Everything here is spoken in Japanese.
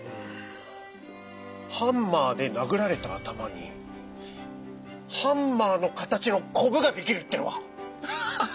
ハンマーで殴られた頭にハンマーの形のこぶができるっていうのは？